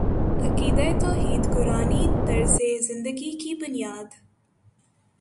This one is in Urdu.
عقیدہ توحید قرآنی طرزِ زندگی کی بنیاد